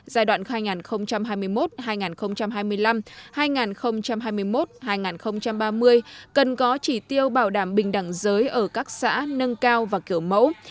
giai đoạn hai nghìn hai mươi một hai nghìn hai mươi năm hai nghìn hai mươi một hai nghìn ba mươi cần có chỉ tiêu bảo đảm bình đẳng giới ở các xã nâng cao và kiểu mẫu